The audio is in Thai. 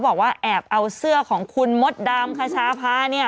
บอกว่าแอบเอาเสื้อของคุณมดดำคชาพาเนี่ย